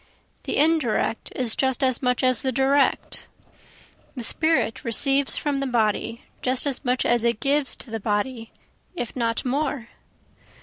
The indirect is just as much as the direct, The spirit receives from the body just as much as it gives to the body, if not more.